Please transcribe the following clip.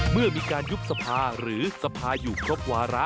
เมื่อมีการยุบสภาหรือสภาอยู่ครบวาระ